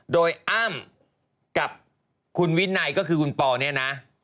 โดยอ้ำกับคุณวินัยก็คือคุณปอเนี่ยนะ